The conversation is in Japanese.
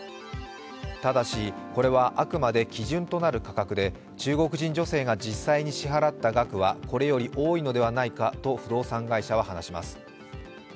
ただし、これはあくまで基準となる価格で中国人女性が実際に支払った額はこれより多いのではないかと不動産会社は話します。